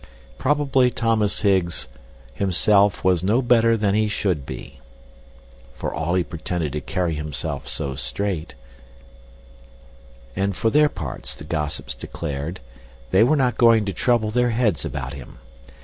Probably Thomas Higgs himself was no better than he should be, for all he pretended to carry himself so straight; and for their parts, the gossips declared, they were not going to trouble their heads about him.